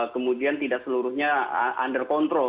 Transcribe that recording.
kemudian tidak seluruhnya under control